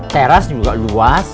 teras juga luas